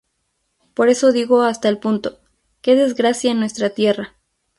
Por eso digo hasta el punto: ¡Que desgracia en nuestra tierra!